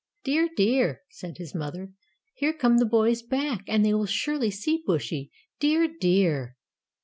"Dear, dear," said his mother, "here come the boys back, and they will surely see Bushy dear, dear."